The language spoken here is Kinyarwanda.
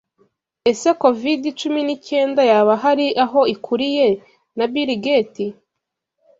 Ese covid cumi n'icyenda yaba hari aho ikuriye na BILLGATE